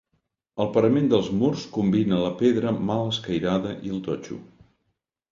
El parament dels murs combina la pedra mal escairada i el totxo.